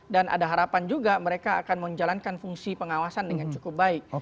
dan ada harapan juga mereka akan menjalankan fungsi pengawasan dengan cukup baik